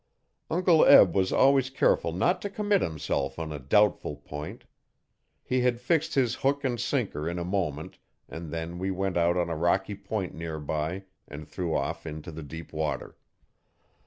Uncle Eb was always careful not to commit himself on a doubtful point. He had fixed his hook and sinker in a moment and then we went out on a rocky point nearby and threw off into the deep water.